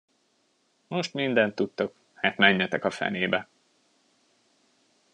Most mindent tudtok, hát menjetek a fenébe.